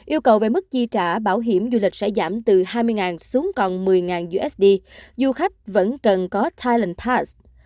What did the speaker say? yêu cầu về mức chi trả bảo hiểm du lịch sẽ giảm từ hai mươi xuống còn một mươi usd du khách vẫn cần có dien pars